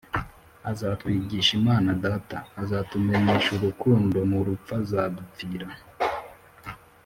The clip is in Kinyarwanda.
Azatwigish' Imana Data.Azatumenyesh' urukundo Mu rupf' azadupfira.